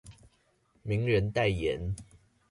名人代言